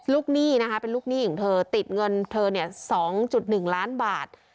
ลูกหนี้นะคะเป็นลูกหนี้ของเธอติดเงินเธอเนี่ยสองจุดหนึ่งล้านบาท